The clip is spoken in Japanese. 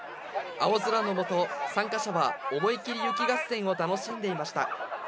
青空の下、参加者は思い切り雪合戦を楽しんでいました。